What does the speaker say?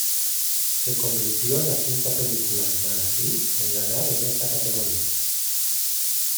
Se convirtió en la quinta película en maratí en ganar en esta categoría.